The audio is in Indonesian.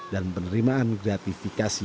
dan penerimaan gratifikasi